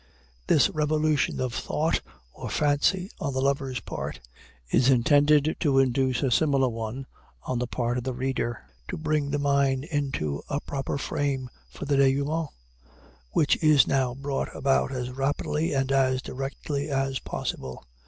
This revolution of thought, or fancy, on the lover's part, is intended to induce a similar one on the part of the reader to bring the mind into a proper frame for the dénouement which is now brought about as rapidly and as directly as possible.